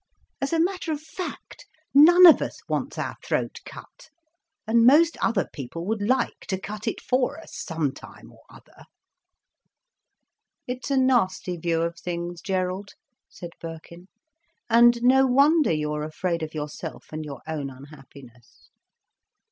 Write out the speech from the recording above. "As a matter of fact, none of us wants our throat cut, and most other people would like to cut it for us—some time or other—" "It's a nasty view of things, Gerald," said Birkin, "and no wonder you are afraid of yourself and your own unhappiness."